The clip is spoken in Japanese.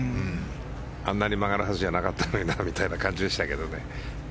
あんなに曲がるはずじゃなかったのになみたいな感じでしたけどね。